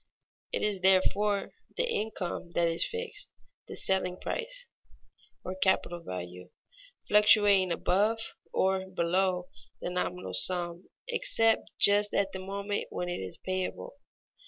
It is therefore the income that is fixed, the selling price (or capital value) fluctuating above or below the nominal sum except just at the moment when it is payable.